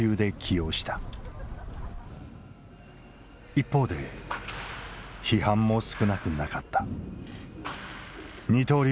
一方で批判も少なくなかった。